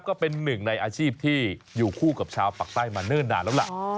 ก็เป็นหนึ่งในอาชีพที่อยู่คู่กับชาวปากใต้มาเนิ่นนานแล้วล่ะ